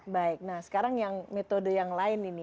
baik nah sekarang yang metode yang lain ini